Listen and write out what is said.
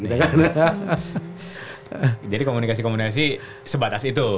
jadi komunikasi komunikasi sebatas itu